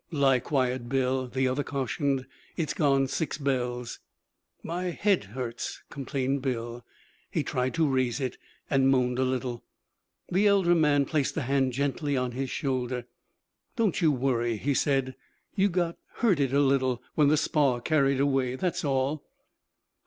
'Lie quiet, Bill,' the other cautioned. 'It's gone six bells.' 'My head hurts,' complained Bill. He tried to raise it, and moaned a little. The elder man placed a hand gently on his shoulder. 'Don't you worry,' he said. 'You got hurted a little when the spar carried away. That's all.'